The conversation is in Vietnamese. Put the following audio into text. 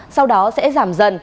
sau đó sẽ giảm dần